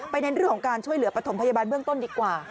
เน้นเรื่องของการช่วยเหลือปฐมพยาบาลเบื้องต้นดีกว่า